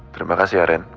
terima kasih ya ren